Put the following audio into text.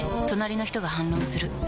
隣の人が反論する。